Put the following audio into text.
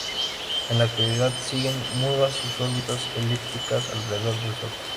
En la actualidad siguen, mudas, sus órbitas elípticas alrededor del Sol.